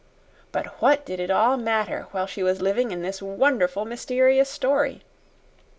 But what did it all matter while she was living in this wonderful mysterious story?